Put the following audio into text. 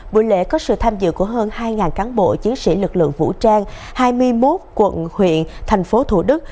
buổi lễ có sự tham dự của hơn hai cán bộ chiến sĩ lực lượng vũ trang hai mươi một quận huyện thành phố thủ đức